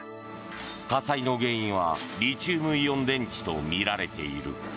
火災の原因はリチウムイオン電池とみられている。